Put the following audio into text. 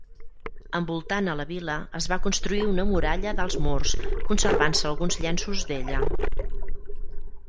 Envoltant a la vila es va construir una Muralla d'alts murs, conservant-se alguns llenços d'ella.